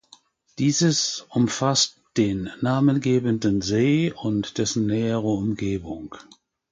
Dieses umfasst den namengebenden See und dessen nähere Umgebung.